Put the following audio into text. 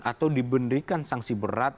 atau diberikan sanksi berat